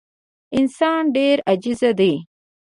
انسان ډېر عاجز دی.